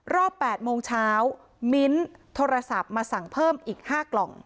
รอบ๘โมงเช้ามิ้นโทรศัพท์มาสั่งเพิ่มอีก๕กล่อง